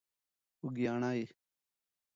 خوږیاڼۍ.